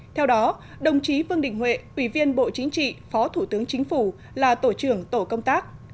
theo đó đồng chí vương đình huệ ủy viên bộ chính trị phó thủ tướng chính phủ là tổ trưởng tổ công tác